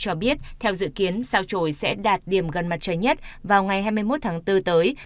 nhà vật lý thiên văn cho biết theo dự kiến sao trổi sẽ đạt điểm gần mặt trời nhất vào ngày hai mươi một tháng bốn tới